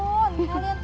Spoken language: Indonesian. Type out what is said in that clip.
tantun kalian tuh